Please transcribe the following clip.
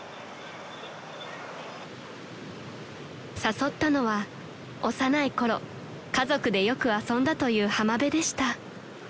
［誘ったのは幼いころ家族でよく遊んだという浜辺でした］